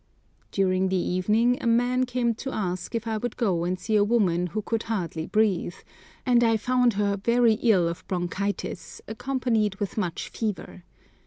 During the evening a man came to ask if I would go and see a woman who could hardly breathe; and I found her very ill of bronchitis, accompanied with much fever.